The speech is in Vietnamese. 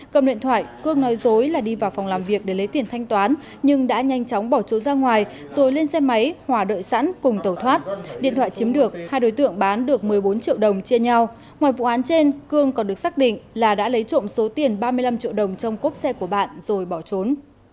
cầm điện thoại cương nói dối là đi vào phòng làm việc để lấy tiền thanh toán nhưng đã nhanh chóng bỏ trốn ra ngoài rồi lên xe máy hòa đợi sẵn cùng tẩu thoát điện thoại chiếm được hai đối tượng bán được một mươi bốn triệu đồng chia nhau ngoài vụ án trên cương còn được xác định là đã lấy trộm số tiền ba mươi năm triệu đồng trong cốp xe của bạn rồi bỏ trốn